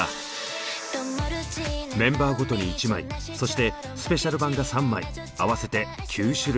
メンバーごとに１枚そしてスペシャル版が３枚合わせて９種類。